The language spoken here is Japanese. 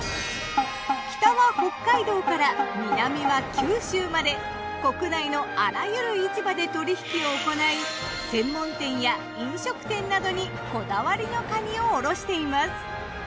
北は北海道から南は九州まで国内のあらゆる市場で取り引きを行い専門店や飲食店などにこだわりのかにを卸しています。